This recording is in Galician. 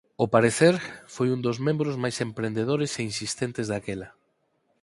Ó parecer foi un dos membros máis emprendedores e insistentes daquela.